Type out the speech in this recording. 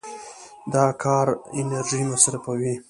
د کار انرژي مصرفوي.